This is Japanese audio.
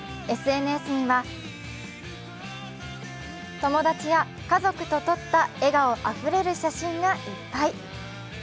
ＳＮＳには、友達や家族と撮った笑顔あふれる写真がいっぱい。